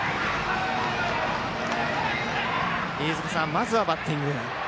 飯塚さん、まずはバッティング。